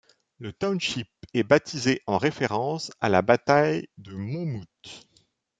Le township est baptisé en référence à la bataille de Monmouth.